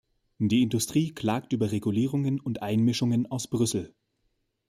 Die Industrie klagt über Regulierungen und Einmischungen aus Brüssel.